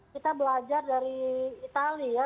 kita belajar dari itali ya